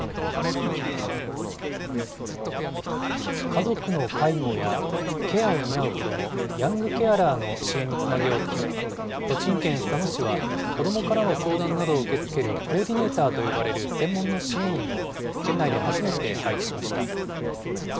家族の介護やケアを担う子ども、ヤングケアラーの支援につなげようと、栃木県佐野市は、子どもからの相談などを受け付けるコーディネーターと呼ばれる専門の支援員を、県内で初めて配置しました。